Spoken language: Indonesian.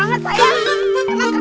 seru banget sayang